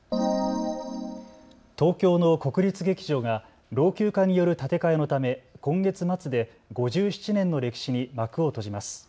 東京の国立劇場が老朽化による建て替えのため今月末で５７年の歴史に幕を閉じます。